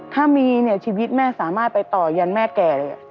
ถ้ามีเนี่ยชีวิตแม่สามารถไปต่อยันแม่แก่เลย